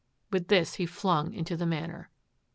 With this, he flung into the Manor.